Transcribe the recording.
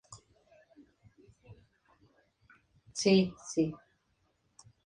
El primer filme fue dirigido por Alejandro Galindo, los demás por Miguel M. Delgado.